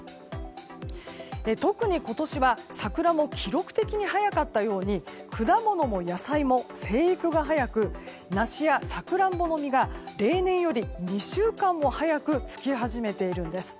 特に今年は桜も記録的に早かったように果物も野菜も生育が早く梨やサクランボの実が例年より２週間も早くつき始めているんです。